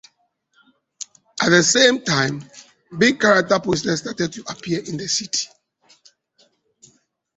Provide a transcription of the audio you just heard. At the same time, big-character posters started to appear in the city.